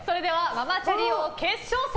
ママチャリ王決勝戦